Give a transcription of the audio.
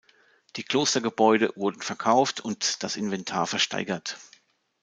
Die Klostergebäude wurden verkauft und das Inventar versteigert.